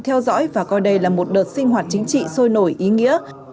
theo dõi và coi đây là một đợt sinh hoạt chính trị sôi nổi ý nghĩa